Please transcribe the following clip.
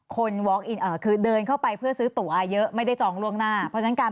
คือเดินเข้าไปเพื่อซื้อตัวเยอะไม่ได้จองล่วงหน้าเพราะฉะนั้นการ